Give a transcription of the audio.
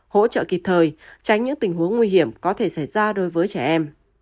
hỗ trợ kịp thời tránh những tình huống nguy hiểm có thể xảy ra đối với trẻ em